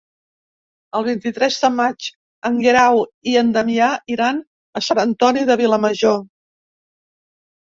El vint-i-tres de maig en Guerau i en Damià iran a Sant Antoni de Vilamajor.